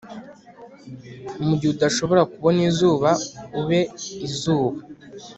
mugihe udashobora kubona izuba, ube izuba.